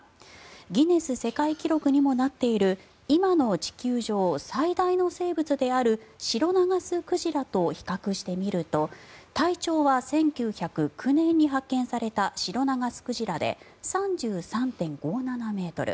ギネス世界記録にもなっている今の地球上最大の生物であるシロナガスクジラと比較してみると体長は１９０９年に発見されたシロナガスクジラで３３．５７ｍ。